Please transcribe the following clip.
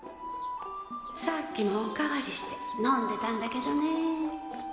さっきもお代わりして飲んでたんだけどね。